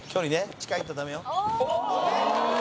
近いとダメよ。